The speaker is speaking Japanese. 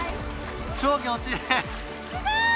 超気持ちいい！